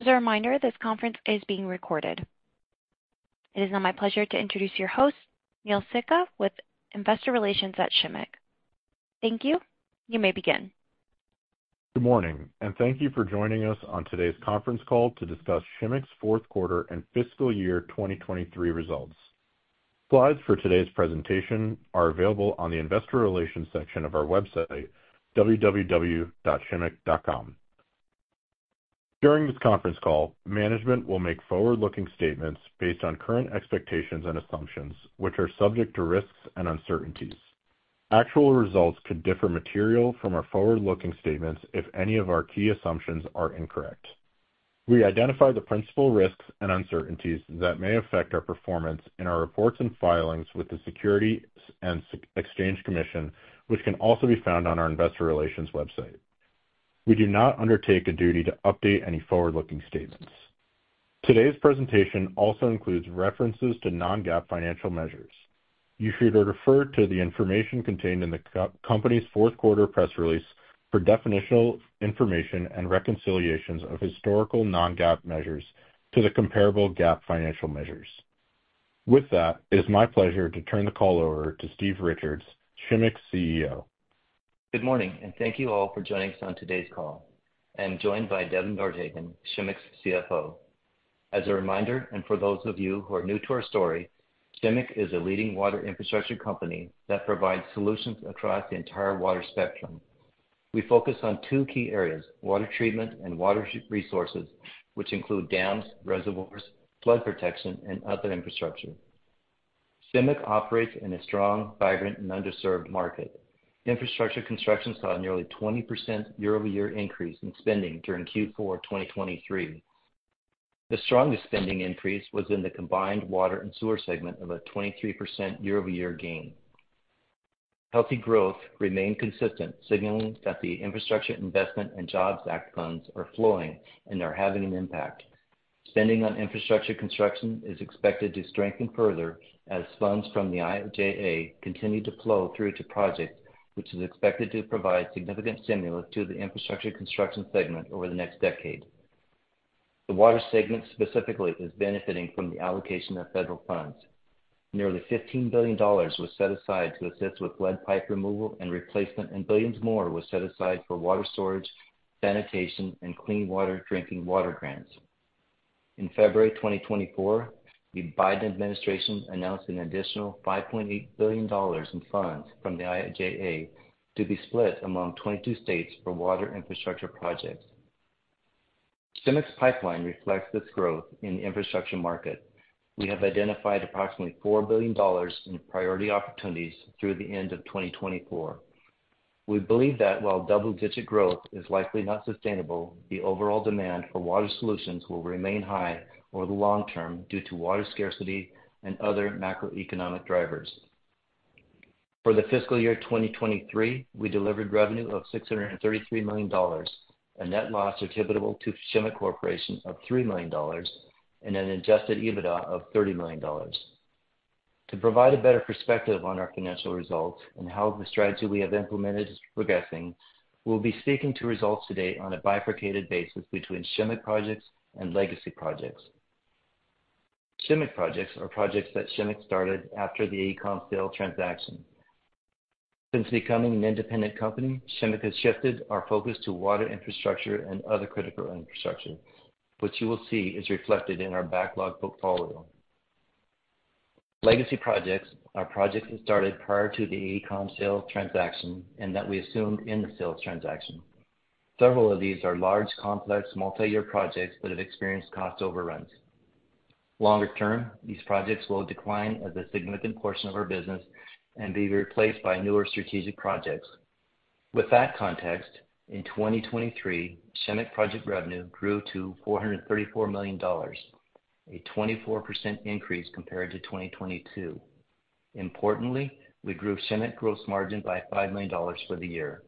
As a reminder, this conference is being recorded. It is now my pleasure to introduce your host, Neil Sikka, with Investor Relations at Shimmick. Thank you. You may begin. Good morning, and thank you for joining us on today's conference call to discuss Shimmick's fourth quarter and fiscal year 2023 results. Slides for today's presentation are available on the Investor Relations section of our website, www.shimmick.com. During this conference call, management will make forward-looking statements based on current expectations and assumptions, which are subject to risks and uncertainties. Actual results could differ materially from our forward-looking statements if any of our key assumptions are incorrect. We identify the principal risks and uncertainties that may affect our performance in our reports and filings with the Securities and Exchange Commission, which can also be found on our Investor Relations website. We do not undertake a duty to update any forward-looking statements. Today's presentation also includes references to non-GAAP financial measures. You should refer to the information contained in the company's fourth quarter press release for definitional information and reconciliations of historical non-GAAP measures to the comparable GAAP financial measures. With that, it is my pleasure to turn the call over to Steve Richards, Shimmick's CEO. Good morning, and thank you all for joining us on today's call. I'm joined by Devin Nordhagen, Shimmick's CFO. As a reminder, and for those of you who are new to our story, Shimmick is a leading water infrastructure company that provides solutions across the entire water spectrum. We focus on two key areas: water treatment and water resources, which include dams, reservoirs, flood protection, and other infrastructure. Shimmick operates in a strong, vibrant, and underserved market. Infrastructure construction saw a nearly 20% year-over-year increase in spending during Q4 2023. The strongest spending increase was in the combined water and sewer segment of a 23% year-over-year gain. Healthy growth remained consistent, signaling that the Infrastructure Investment and Jobs Act funds are flowing and are having an impact. Spending on infrastructure construction is expected to strengthen further as funds from the IIJA continue to flow through to projects, which is expected to provide significant stimulus to the infrastructure construction segment over the next decade. The water segment specifically is benefiting from the allocation of federal funds. Nearly $15 billion was set aside to assist with lead pipe removal and replacement, and billions more were set aside for water storage, sanitation, and clean water drinking water grants. In February 2024, the Biden administration announced an additional $5.8 billion in funds from the IIJA to be split among 22 states for water infrastructure projects. Shimmick's pipeline reflects this growth in the infrastructure market. We have identified approximately $4 billion in priority opportunities through the end of 2024. We believe that while double-digit growth is likely not sustainable, the overall demand for water solutions will remain high over the long term due to water scarcity and other macroeconomic drivers. For the fiscal year 2023, we delivered revenue of $633 million, a net loss attributable to Shimmick Corporation of $3 million, and an Adjusted EBITDA of $30 million. To provide a better perspective on our financial results and how the strategy we have implemented is progressing, we'll be speaking to results today on a bifurcated basis between Shimmick Projects and Legacy Projects. Shimmick Projects are projects that Shimmick started after the AECOM Sale transaction. Since becoming an independent company, Shimmick has shifted our focus to water infrastructure and other critical infrastructure, which you will see is reflected in our backlog portfolio. Legacy Projects are projects that started prior to the AECOM Sale transaction and that we assumed in the sales transaction. Several of these are large, complex, multi-year projects that have experienced cost overruns. Longer term, these projects will decline as a significant portion of our business and be replaced by newer strategic projects. With that context, in 2023, Shimmick project revenue grew to $434 million, a 24% increase compared to 2022. Importantly, we grew Shimmick gross margin by $5 million for the year.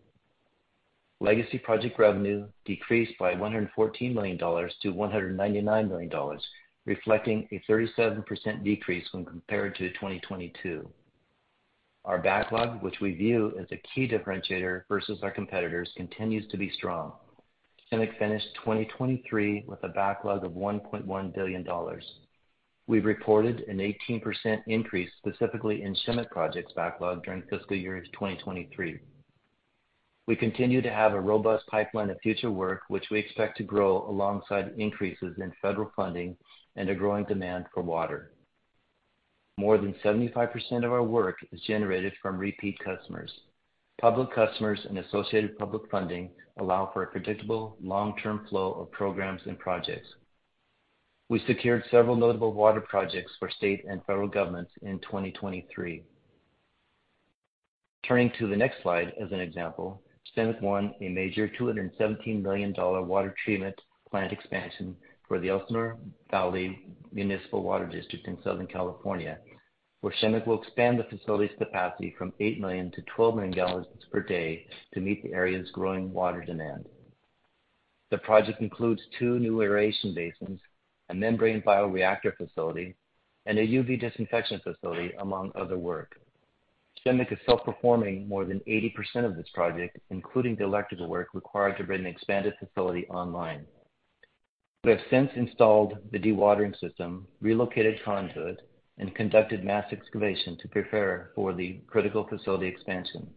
Legacy project revenue decreased by $114 million to $199 million, reflecting a 37% decrease when compared to 2022. Our backlog, which we view as a key differentiator versus our competitors, continues to be strong. Shimmick finished 2023 with a backlog of $1.1 billion. We've reported an 18% increase specifically in Shimmick projects backlog during fiscal year 2023. We continue to have a robust pipeline of future work, which we expect to grow alongside increases in federal funding and a growing demand for water. More than 75% of our work is generated from repeat customers. Public customers and associated public funding allow for a predictable, long-term flow of programs and projects. We secured several notable water projects for state and federal governments in 2023. Turning to the next slide as an example, Shimmick won a major $217 million water treatment plant expansion for the Elsinore Valley Municipal Water District in Southern California, where Shimmick will expand the facility's capacity from $8 million to $12 million per day to meet the area's growing water demand. The project includes two new aeration basins, a membrane bioreactor facility, and a UV disinfection facility, among other work. Shimmick is self-performing more than 80% of this project, including the electrical work required to bring the expanded facility online. We have since installed the dewatering system, relocated conduit, and conducted mass excavation to prepare for the critical facility expansion.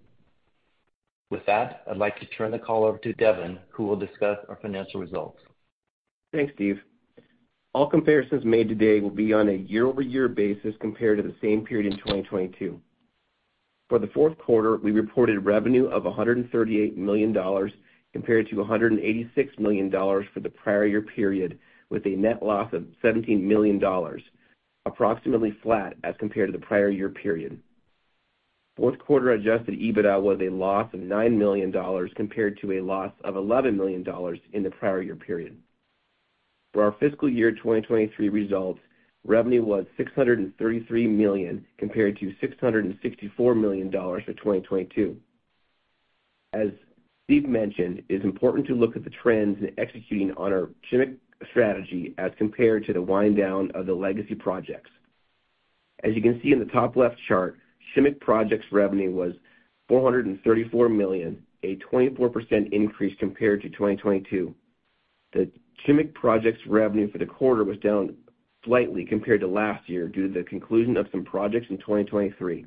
With that, I'd like to turn the call over to Devin, who will discuss our financial results. Thanks, Steve. All comparisons made today will be on a year-over-year basis compared to the same period in 2022. For the fourth quarter, we reported revenue of $138 million compared to $186 million for the prior year period, with a net loss of $17 million, approximately flat as compared to the prior year period. Fourth quarter adjusted EBITDA was a loss of $9 million compared to a loss of $11 million in the prior year period. For our fiscal year 2023 results, revenue was $633 million compared to $664 million for 2022. As Steve mentioned, it is important to look at the trends in executing on our Shimmick strategy as compared to the wind-down of the legacy projects. As you can see in the top-left chart, Shimmick projects revenue was $434 million, a 24% increase compared to 2022. The Shimmick Projects revenue for the quarter was down slightly compared to last year due to the conclusion of some projects in 2023.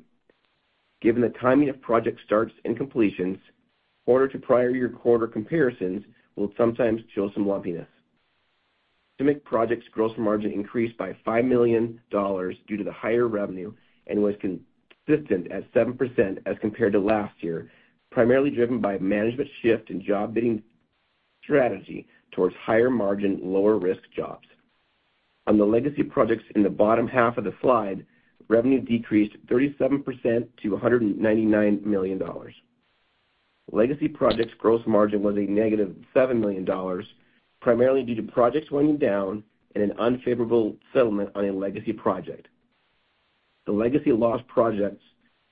Given the timing of project starts and completions, quarter-to-prior-year quarter comparisons will sometimes show some lumpiness. Shimmick Projects gross margin increased by $5 million due to the higher revenue and was consistent at 7% as compared to last year, primarily driven by management shift in job bidding strategy towards higher-margin, lower-risk jobs. On the Legacy Projects in the bottom half of the slide, revenue decreased 37% to $199 million. Legacy Projects gross margin was a negative $7 million, primarily due to projects winding down and an unfavorable settlement on a Legacy Project. The Legacy Loss Projects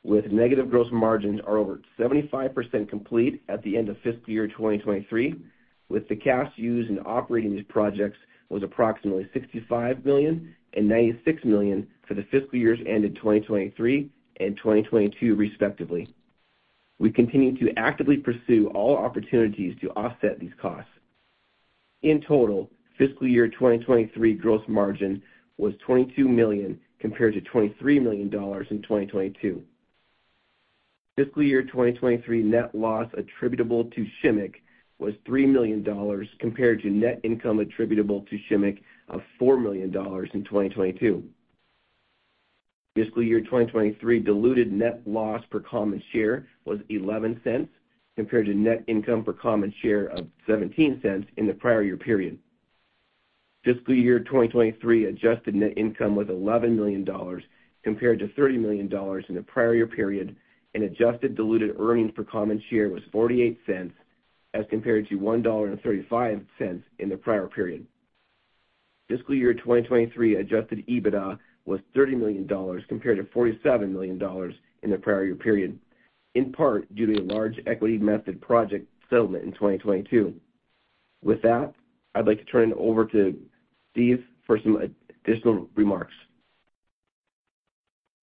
with negative gross margins are over 75% complete at the end of fiscal year 2023, with the cash used in operating these projects was approximately $65 million and $96 million for the fiscal years ended 2023 and 2022, respectively. We continue to actively pursue all opportunities to offset these costs. In total, fiscal year 2023 gross margin was $22 million compared to $23 million in 2022. Fiscal year 2023 net loss attributable to Shimmick was $3 million compared to net income attributable to Shimmick of $4 million in 2022. Fiscal year 2023 diluted net loss per common share was $0.11 compared to net income per common share of $0.17 in the prior year period. Fiscal year 2023 adjusted net income was $11 million compared to $30 million in the prior year period, and adjusted diluted earnings per common share was $0.48 as compared to $1.35 in the prior period. Fiscal year 2023 adjusted EBITDA was $30 million compared to $47 million in the prior year period, in part due to a large equity-method project settlement in 2022. With that, I'd like to turn it over to Steve for some additional remarks.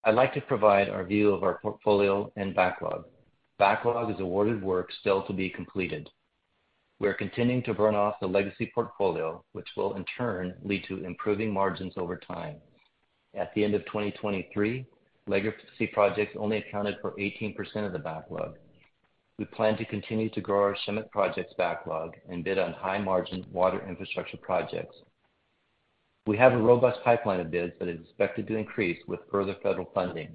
I'd like to provide our view of our portfolio and backlog. Backlog is awarded work still to be completed. We are continuing to burn off the Legacy Projects portfolio, which will, in turn, lead to improving margins over time. At the end of 2023, Legacy Projects only accounted for 18% of the backlog. We plan to continue to grow our Shimmick Projects backlog and bid on high-margin water infrastructure projects. We have a robust pipeline of bids that is expected to increase with further federal funding.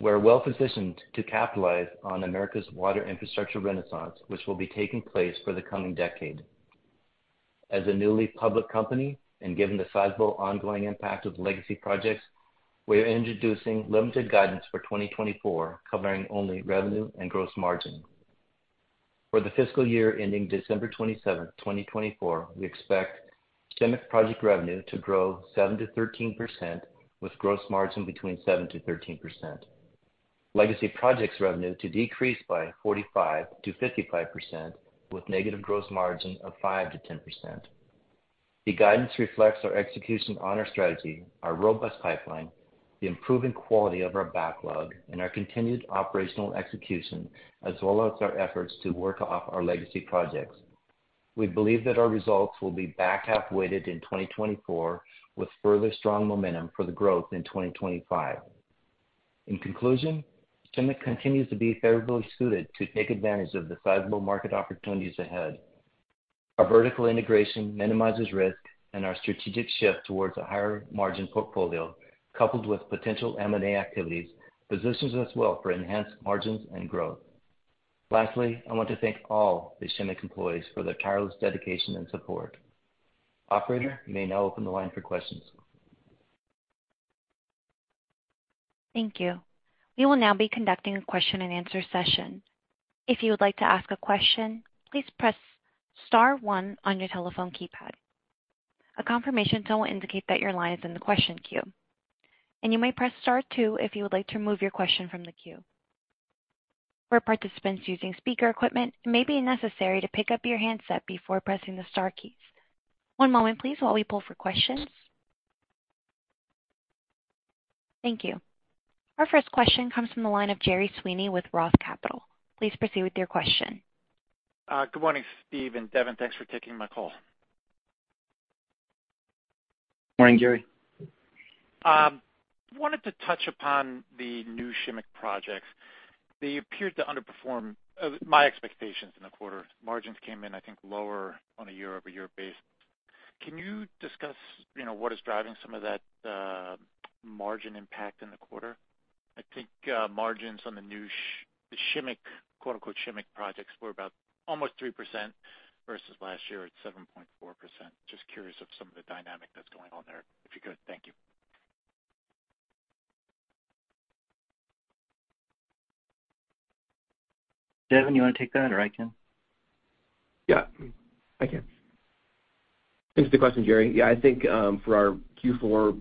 We are well-positioned to capitalize on America's water infrastructure renaissance, which will be taking place for the coming decade. As a newly public company and given the sizable ongoing impact of Legacy Projects, we are introducing limited guidance for 2024 covering only revenue and gross margin. For the fiscal year ending December 27, 2024, we expect Shimmick project revenue to grow 7% to 13%, with gross margin between 7% to 13%. Legacy projects revenue to decrease by 45% to 55%, with negative gross margin of 5% to 10%. The guidance reflects our execution on our strategy, our robust pipeline, the improving quality of our backlog, and our continued operational execution, as well as our efforts to work off our legacy projects. We believe that our results will be back half-weighted in 2024, with further strong momentum for the growth in 2025. In conclusion, Shimmick continues to be favorably suited to take advantage of the sizable market opportunities ahead. Our vertical integration minimizes risk, and our strategic shift towards a higher-margin portfolio, coupled with potential M&A activities, positions us well for enhanced margins and growth. Lastly, I want to thank all the Shimmick employees for their tireless dedication and support. Operator, you may now open the line for questions. Thank you. We will now be conducting a question-and-answer session. If you would like to ask a question, please press star one on your telephone keypad. A confirmation tone will indicate that your line is in the question queue, and you may press star two if you would like to move your question from the queue. For participants using speaker equipment, it may be necessary to pick up your handset before pressing the star keys. One moment, please, while we pull for questions. Thank you. Our first question comes from the line of Gerry Sweeney with Roth Capital. Please proceed with your question. Good morning, Steve and Devin. Thanks for taking my call. Morning, Gerry. I wanted to touch upon the new Shimmick projects. They appeared to underperform my expectations in the quarter. Margins came in, I think, lower on a year-over-year basis. Can you discuss what is driving some of that margin impact in the quarter? I think margins on the new Shimmick projects were about almost 3% versus last year at 7.4%. Just curious of some of the dynamic that's going on there, if you could. Thank you. Devin, you want to take that, or I can? Yeah, I can. Thanks for the question, Gerry. Yeah, I think for our Q4,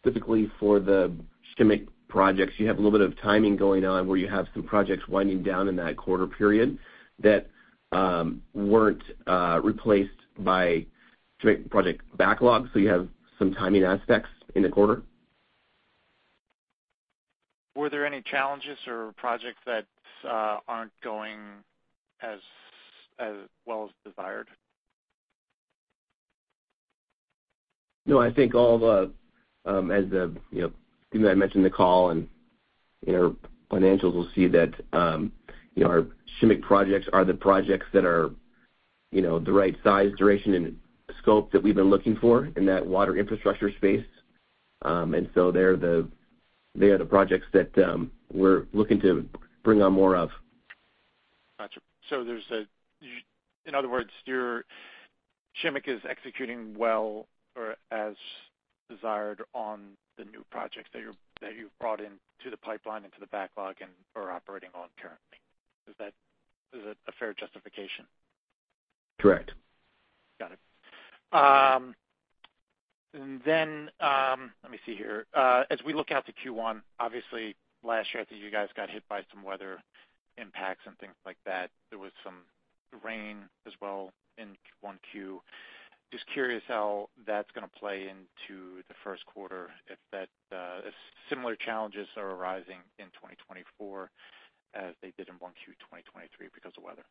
specifically for the Shimmick projects, you have a little bit of timing going on where you have some projects winding down in that quarter period that weren't replaced by Shimmick project backlog, so you have some timing aspects in the quarter. Were there any challenges or projects that aren't going as well as desired? No, I think all the assets I mentioned in the call and our financials will show that our Shimmick projects are the projects that are the right size, duration, and scope that we've been looking for in that water infrastructure space. And so they are the projects that we're looking to bring on more of. Gotcha. So in other words, Shimmick is executing well or as desired on the new projects that you've brought into the pipeline, into the backlog, and are operating on currently. Is that a fair justification? Correct. Got it. And then let me see here. As we look out to Q1, obviously, last year, I think you guys got hit by some weather impacts and things like that. There was some rain as well in Q1. Just curious how that's going to play into the first quarter, if similar challenges are arising in 2024 as they did in Q1 2023 because of weather?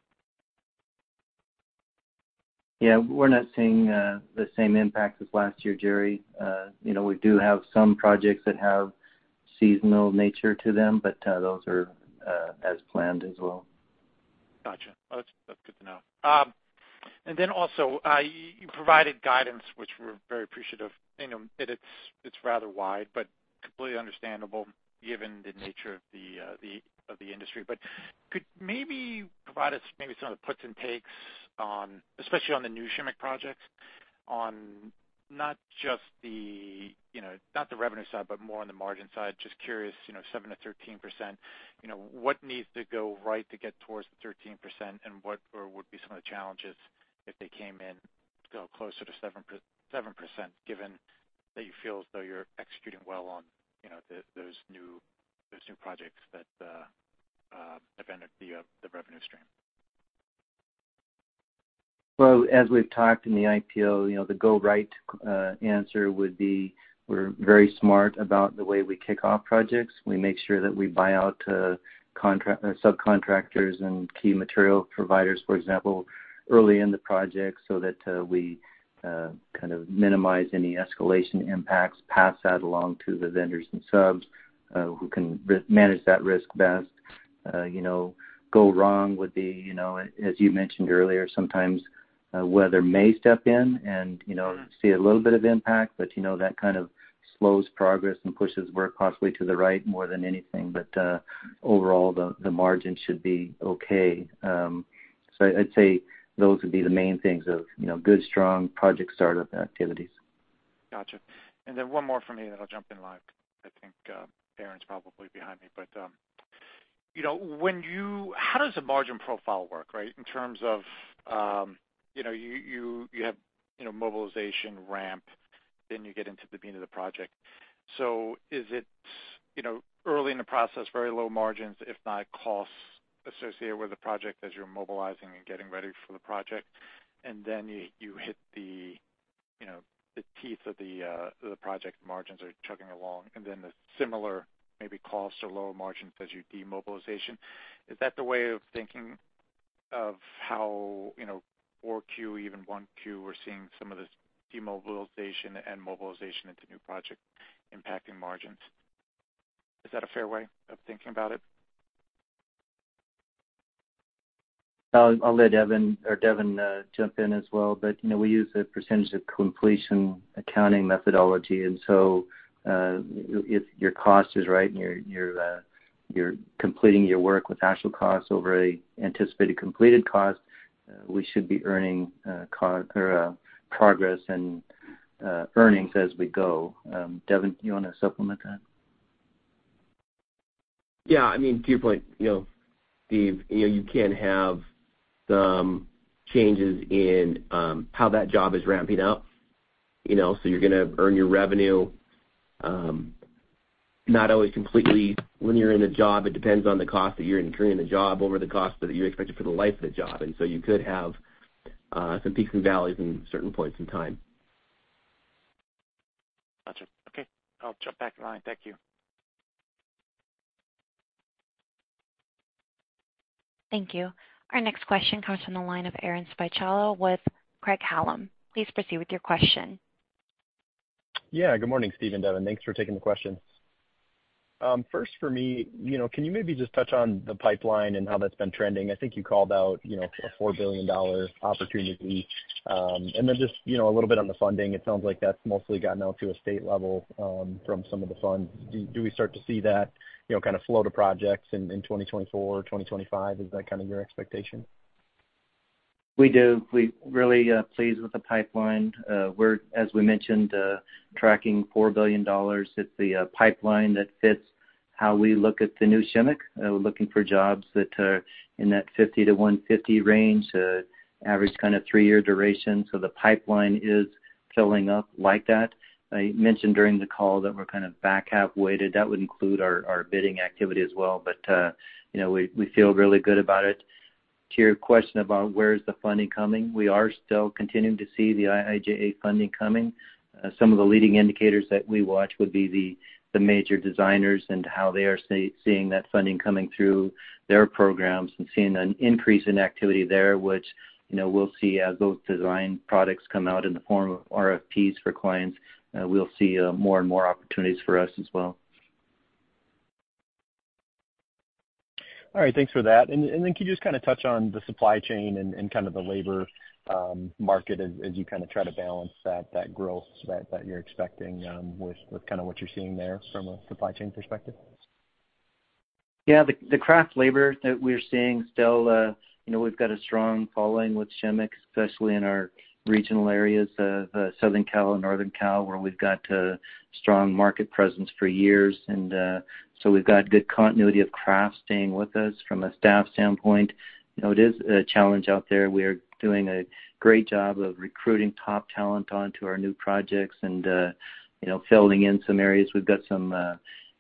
Yeah, we're not seeing the same impacts as last year, Gerry. We do have some projects that have seasonal nature to them, but those are as planned as well. Gotcha. Well, that's good to know. And then also, you provided guidance, which we're very appreciative. It's rather wide, but completely understandable given the nature of the industry. But could maybe provide us some of the puts and takes, especially on the new Shimmick projects, on not just the revenue side, but more on the margin side? Just curious, 7% to 13%, what needs to go right to get towards the 13%, and what would be some of the challenges if they came in closer to 7% given that you feel as though you're executing well on those new projects that have entered the revenue stream? Well, as we've talked in the IPO, the go-right answer would be we're very smart about the way we kick off projects. We make sure that we buy out subcontractors and key material providers, for example, early in the project so that we kind of minimize any escalation impacts, pass that along to the vendors and subs who can manage that risk best. Go wrong would be, as you mentioned earlier, sometimes weather may step in and see a little bit of impact, but that kind of slows progress and pushes work possibly to the right more than anything. But overall, the margin should be okay. So I'd say those would be the main things of good, strong project startup activities. Gotcha. And then one more from me that I'll jump in live. I think Aaron's probably behind me. But when you—how does the margin profile work, right, in terms of you have mobilization, ramp, then you get into the meat of the project. So is it early in the process, very low margins, if not costs associated with the project as you're mobilizing and getting ready for the project, and then you hit the meat of the project, the margins are chugging along, and then the similar maybe costs or lower margins as you do mobilization? Is that the way of thinking of how Q4, Q5, even Q1, we're seeing some of this demobilization and mobilization into new projects impacting margins? Is that a fair way of thinking about it? I'll let Devin or Devin jump in as well. But we use a percentage-of-completion accounting methodology. And so if your cost is right and you're completing your work with actual costs over an anticipated completed cost, we should be earning progress and earnings as we go. Devin, you want to supplement that? Yeah. I mean, to your point, Steve, you can have some changes in how that job is ramping up. So you're going to earn your revenue not always completely when you're in the job. It depends on the cost that you're incurring in the job over the cost that you expected for the life of the job. And so you could have some peaks and valleys in certain points in time. Gotcha. Okay. I'll jump back in line. Thank you. Thank you. Our next question comes from the line of Aaron Spychalla with Craig-Hallum. Please proceed with your question. Yeah. Good morning, Steve and Devin. Thanks for taking the question. First, for me, can you maybe just touch on the pipeline and how that's been trending? I think you called out a $4 billion opportunity. And then just a little bit on the funding, it sounds like that's mostly gotten out to a state level from some of the funds. Do we start to see that kind of flow to projects in 2024, 2025? Is that kind of your expectation? We do. We're really pleased with the pipeline. We're, as we mentioned, tracking $4 billion. It's the pipeline that fits how we look at the new Shimmick. We're looking for jobs that are in that 50 to 150 range, average kind of three-year duration. So the pipeline is filling up like that. I mentioned during the call that we're kind of back half-weighted. That would include our bidding activity as well, but we feel really good about it. To your question about where is the funding coming, we are still continuing to see the IIJA funding coming. Some of the leading indicators that we watch would be the major designers and how they are seeing that funding coming through their programs and seeing an increase in activity there, which we'll see as those design products come out in the form of RFPs for clients. We'll see more and more opportunities for us as well. All right. Thanks for that. Can you just kind of touch on the supply chain and kind of the labor market as you kind of try to balance that growth that you're expecting with kind of what you're seeing there from a supply chain perspective? Yeah. The craft labor that we're seeing still, we've got a strong following with Shimmick, especially in our regional areas of Southern Cal and Northern Cal where we've got strong market presence for years. And so we've got good continuity of craft staying with us from a staff standpoint. It is a challenge out there. We are doing a great job of recruiting top talent onto our new projects and filling in some areas. We've got some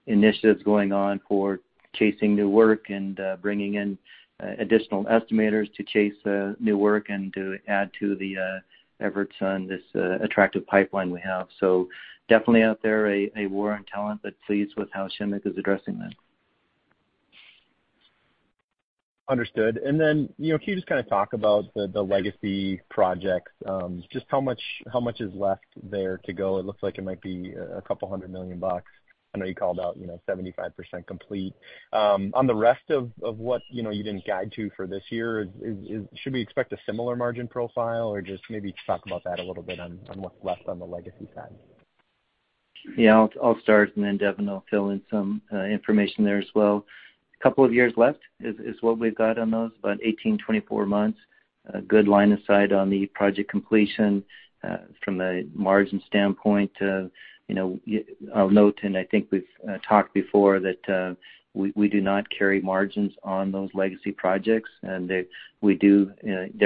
initiatives going on for chasing new work and bringing in additional estimators to chase new work and to add to the efforts on this attractive pipeline we have. So definitely out there, a war on talent that flees with how Shimmick is addressing that. Understood. And then can you just kind of talk about the legacy projects? Just how much is left there to go? It looks like it might be $200 million. I know you called out 75% complete. On the rest of what you didn't guide to for this year, should we expect a similar margin profile, or just maybe talk about that a little bit on what's left on the legacy side? Yeah. I'll start, and then Devin will fill in some information there as well. A couple of years left is what we've got on those, about 18 to 24 months. Good line of sight on the project completion from a margin standpoint. I'll note, and I think we've talked before, that we do not carry margins on those legacy projects. And there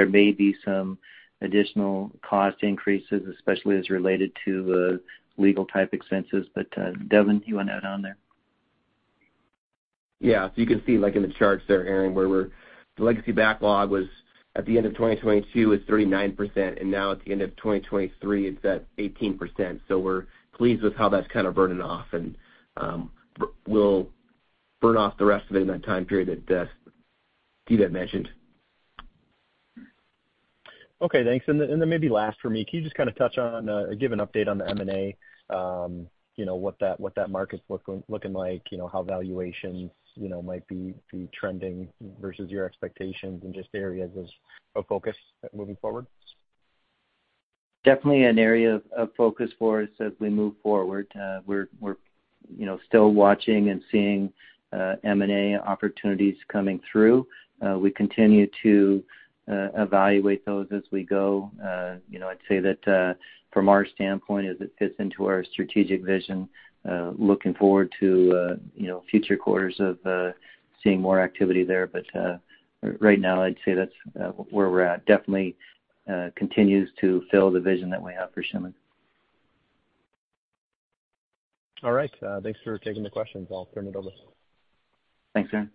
may be some additional cost increases, especially as related to legal-type expenses. But Devin, you want to add on there? Yeah. So you can see in the charts there, Aaron, where the legacy backlog was at the end of 2022, it's 39%. And now at the end of 2023, it's at 18%. So we're pleased with how that's kind of burning off, and we'll burn off the rest of it in that time period that Steve had mentioned. Okay. Thanks. And then maybe last for me, can you just kind of touch on, give an update on the M&A, what that market's looking like, how valuations might be trending versus your expectations, and just areas of focus moving forward? Definitely an area of focus for us as we move forward. We're still watching and seeing M&A opportunities coming through. We continue to evaluate those as we go. I'd say that from our standpoint, as it fits into our strategic vision, looking forward to future quarters of seeing more activity there. But right now, I'd say that's where we're at. Definitely continues to fill the vision that we have for Shimmick. All right. Thanks for taking the questions. I'll turn it over. Thanks, Aaron.